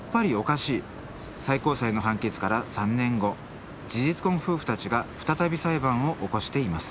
最高裁の判決から３年後事実婚夫婦たちが再び裁判を起こしています。